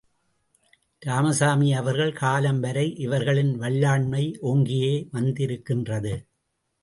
இராமசாமி அவர்கள் காலம் வரை இவர்களின் வல்லாண்மை ஓங்கியே வந்திருக்கின்றது.